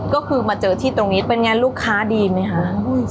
ก็คือมาเจอที่ตรงนี้เป็นไงลูกค้าดีไหมคะ